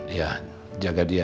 ya jaga dia ya